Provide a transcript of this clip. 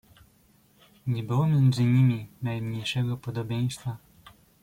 "Nie było między nimi najmniejszego podobieństwa."